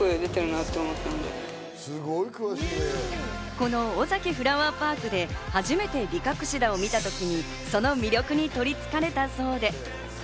このオザキフラワーパークで初めてビカクシダを見たときにその魅力にとりつかれたそうで。